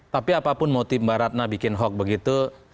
tapi apapun motif mbak ratna bikin hoax begitu